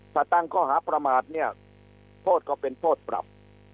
ถ้าตั้งข้อหาประมาทเนี่ยโทษก็เป็นโทษปรับ